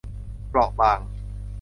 เปราะบาง